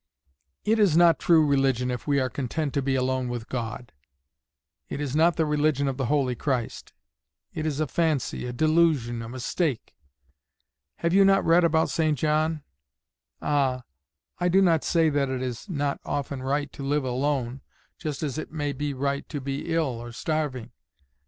"It is not true religion if we are content to be alone with God; it is not the religion of the holy Christ; it is a fancy, a delusion, a mistake. Have you not read about St. John? Ah, I do not say that it is not often right to live alone, just as it may be right to be ill or starving.